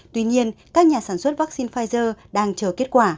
tuy nhiên các nhà sản xuất vaccine pfizer đang chờ kết quả